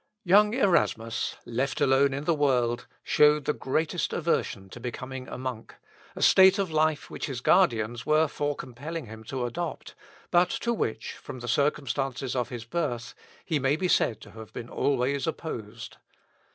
Young Erasmus, left alone in the world, showed the greatest aversion to become a monk, a state of life which his guardians were for compelling him to adopt, but to which, from the circumstances of his birth, he may be said to have been always opposed.